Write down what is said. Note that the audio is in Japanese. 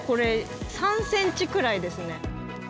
３ｃｍくらいですね。